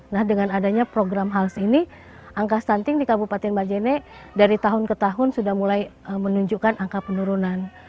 nah dengan adanya program hals ini angka stunting di kabupaten majene dari tahun ke tahun sudah mulai menunjukkan angka penurunan